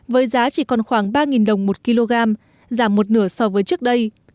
với giá chỉ còn khoảng ba đồng một kg giảm một nửa so với trước đây